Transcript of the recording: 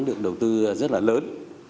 được đầu tư rất là lớn